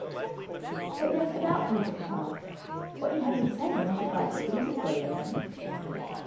"But then about Peter, papa? What you have been saying will not apply to Peter's body, you know."